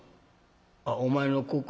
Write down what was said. あっお前の子か。